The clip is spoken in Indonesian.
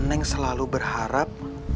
aku selalu berharap